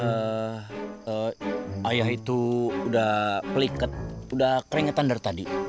eee ayah itu udah peliket udah keringetan dar tadi